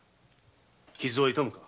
傷は痛むか？